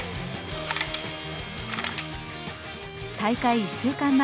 大会１週間前